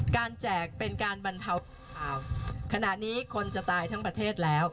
แจกเป็นการบรรเทาขณะนี้คนจะตายทั้งประเทศแล้ว